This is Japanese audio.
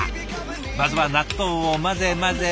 まずは納豆を混ぜ混ぜ混ぜ混ぜ。